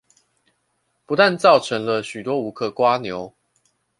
不但造成了許多無殼蝸牛